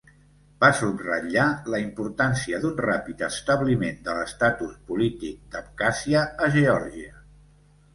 Va subratllar la importància d'un ràpid establiment de l'estatus polític d'Abkhàzia a Geòrgia.